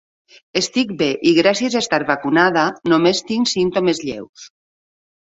Estic bé i gràcies a estar vacunada només tenc símptomes lleus.